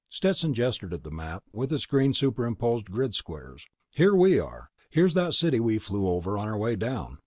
Stetson gestured at the map with its green superimposed grid squares. "Here we are. Here's that city we flew over on our way down.